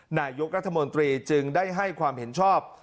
นายกรัฐมนตรีจึงได้ให้ความเห็นชอบ